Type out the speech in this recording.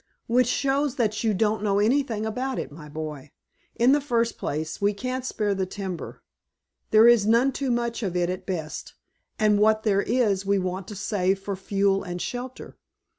"Which shows that you don't know anything about it, my boy. In the first place, we can't spare the timber. There is none too much of it at best, and what there is we want to save for fuel and shelter.